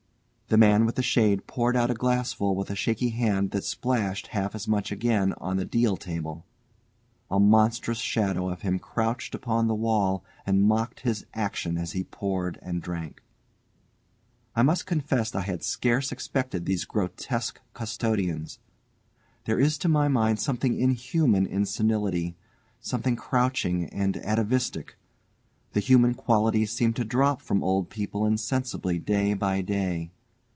The man with the shade poured out a glassful with a shaky hand that splashed half as much again on the deal table. A monstrous shadow of him crouched upon the wall and mocked his action as he poured and drank. I must confess I had scarce expected these grotesque custodians. There is to my mind something inhuman in senility, something crouching and atavistic; the human qualities seem to drop from old people insensibly day by day.